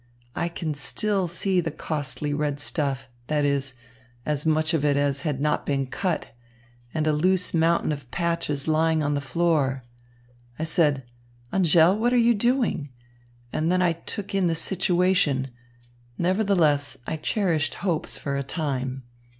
I can still see the costly red stuff, that is, as much of it as had not been cut, and a loose mountain of patches lying on the floor. I said, 'Angèle, what are you doing?' And then I took in the situation. Nevertheless, I cherished hopes for a time.